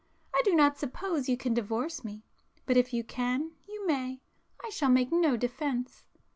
I do not suppose you can divorce me,—but if you can, you may—I shall make no defence."